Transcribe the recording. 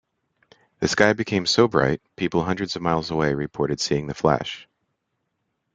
The sky became so bright, people hundreds of miles away reported seeing the flash.